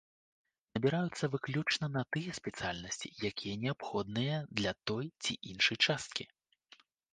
Набіраюцца выключна на тыя спецыяльнасці, якія неабходныя для той ці іншай часткі.